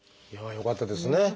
よかったです。